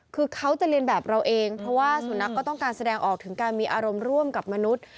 คือเขาจะเรียนแบบเราเองเพราะว่าสุนัขก็ต้องการแสดงออกถึงการมีอารมณ์ร่วมกับมนุษย์